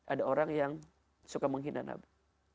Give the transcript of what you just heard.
ada orang yang suka menghina nabi